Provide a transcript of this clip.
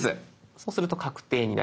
そうすると確定になります。